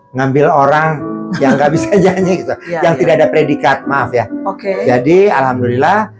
ngambil orang yang nggak bisa nyanyi gitu yang tidak ada predikat maaf ya oke jadi alhamdulillah